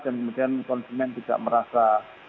dan kemudian konsumen tidak merasa